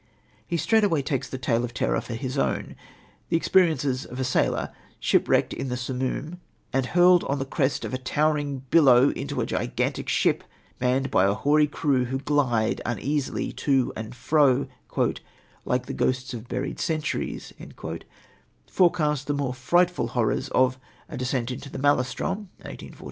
He straightway takes the tale of terror for his own. The experiences of a sailor, shipwrecked in the Simoom and hurled on the crest of a towering billow into a gigantic ship manned by a hoary crew who glide uneasily to and fro "like the ghosts of buried centuries," forecast the more frightful horrors of A Descent into the Maelstrom (1841).